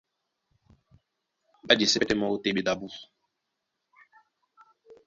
Ɓá jesɛ́ pɛ́tɛ́ mɔ́ ó téɓedi abú.